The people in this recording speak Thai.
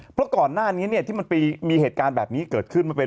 เพราะก่อนหน้านี้เนี่ยที่มันไปมีเหตุการณ์แบบนี้เกิดขึ้นมาเป็น